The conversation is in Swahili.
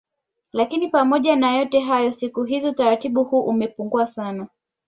Lakini pamoja na yote hayo siku hizi utaratibu huu umepungua sana